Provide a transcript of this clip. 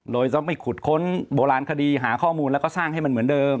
โดยต้องไปขุดค้นโบราณคดีหาข้อมูลแล้วก็สร้างให้มันเหมือนเดิม